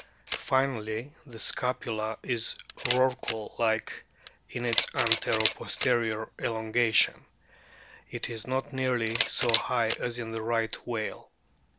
Finally, the scapula is Rorqual like in its antero posterior elongation ; it is not nearly so high as in the Right whale.